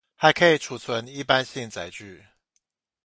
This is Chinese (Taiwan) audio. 還可以儲存一般性載具